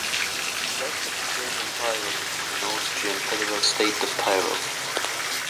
The rest of the German Tyrol became the Austrian Federal State of Tyrol.